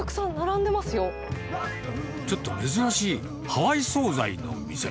ちょっと珍しいハワイ総菜の店。